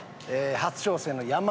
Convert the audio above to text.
初挑戦の山添の。